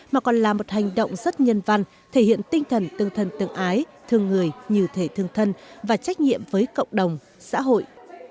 mà còn là một hành động rất nhân văn thể hiện tinh thần tương thân tương ái thương người như thể thương thân và trách nhiệm với cộng đồng xã hội